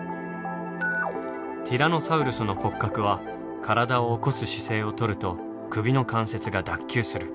ティラノサウルスの骨格は体を起こす姿勢を取ると首の関節が脱臼する。